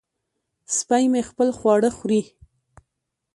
سپی مې خپل خواړه خوري.